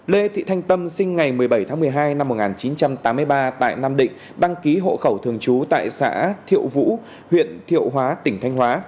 lê thị thanh tâm sinh ngày một mươi bảy tháng một mươi hai năm một nghìn chín trăm tám mươi ba tại nam định đăng ký hộ khẩu thường trú tại xã thiệu vũ huyện thiệu hóa tỉnh thanh hóa